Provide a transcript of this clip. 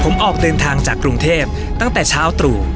ผมออกเดินทางจากกรุงเทพตั้งแต่เช้าตรู่